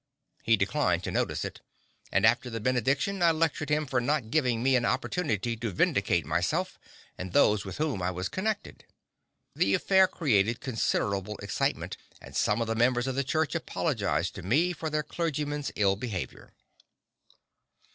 He declined to notice it, and after the benediction I lectured him for not giving me an opportunity to vindicate myself and those with whom I was connected. The affair created considerable excitement and some of the members of the church apologized to me for their clergyman's ill behavior.